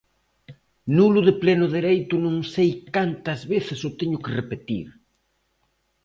¡Nulo de pleno dereito, non sei cantas veces o teño que repetir!